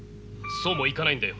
そうもいかないんだよ。